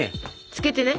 つけてね。